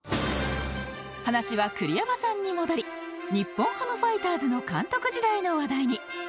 話は栗山さんに戻り日本ハムファイターズの監督時代の話題に